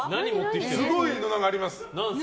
すごいのがあります。